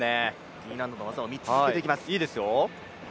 Ｅ難度の技を３つ続けていきます。